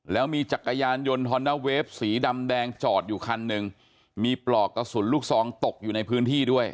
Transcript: แล้วมีจักรยานยนต์ฮอนด้าเวฟสีดำแดงจอดอยู่คันหนึ่งมีปลอกกระสุนลูกซองตกอยู่ในพื้นที่ด้วย